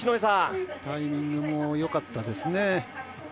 タイミングもよかったですね。